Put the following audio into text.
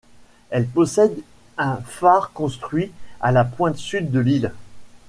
Elle possède un phare construit à la pointe sud de l'île.